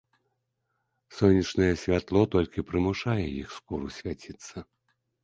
Сонечнае святло толькі прымушае іх скуру свяціцца.